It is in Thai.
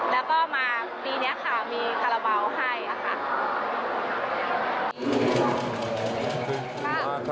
แล้วก็มาปีนี้ค่ะมีคาราบาลให้ค่ะ